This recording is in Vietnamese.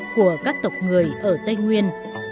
của các tộc người ở tây nguyên